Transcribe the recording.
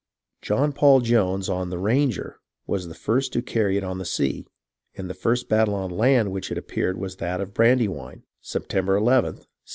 John Paul Jones, on The Ranger, was the first to carry it on the sea, and the first battle on land in which it appeared was that of Brandy wine, September nth, 1777.